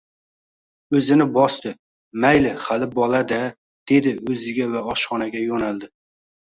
O`zini bosdi, mayli hali bola-da, dedi o`ziga va oshxonaga yo`naldi